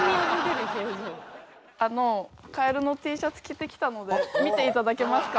あのカエルのＴシャツ着てきたので見ていただけますか？